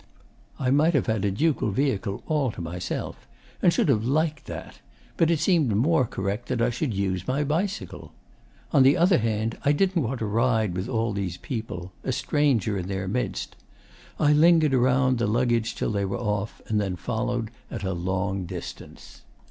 'I might have had a ducal vehicle all to myself, and should have liked that; but it seemed more correct that I should use my bicycle. On the other hand, I didn't want to ride with all these people a stranger in their midst. I lingered around the luggage till they were off, and then followed at a long distance.